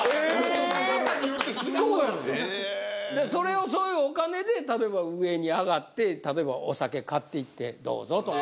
それをそういうお金で例えば上にあがって例えばお酒買っていって「どうぞ」とか。